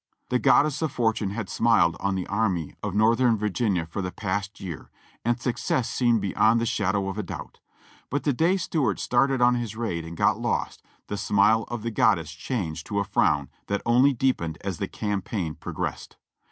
The Goddess of Fortune had smiled on the army of Northern Virginia for the past year, and success seemed beyond the shadow of a doubt; but the day Stuart started on his raid and got lost, the smile of the Goddess changed to a frown that only deepened as the campaign progressed.